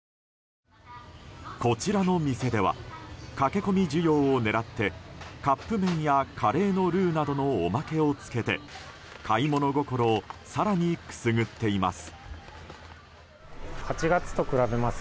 こちらの店では駆け込み需要を狙ってカップ麺やカレーのルーなどのおまけをつけて買い物心を更にくすぐっています。